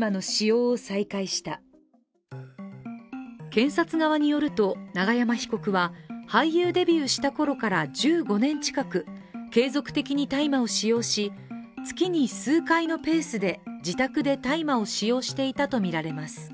検察側によると永山被告は俳優デビューしたころから１５年近く継続的に大麻を使用し、月に数回のペースで自宅で大麻を使用していたとみられます。